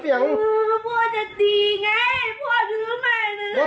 พี่มันจะหังให้ผมมา